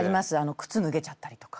靴脱げちゃったりとか。